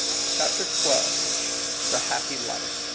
CHAPTER XIL THE HAPPY LIFE.